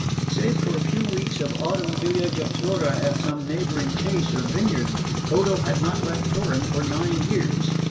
Save for a few weeks of autumn villeggiatura at some neighbouring chase or vineyard, Odo had not left Turin for nine years.